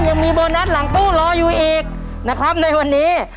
ยังมีโบนัสหลังตู้รออยู่อีกนะครับในวันนี้